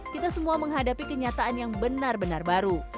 kita semua menghadapi kenyataan yang benar benar baru